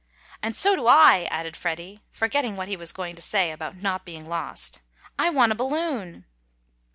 "And so do I!" added Freddie, forgetting what he was going to say about not being lost "I want a balloon!"